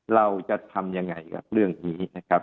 เราจะทำยังไงกับเรื่องนี้นะครับ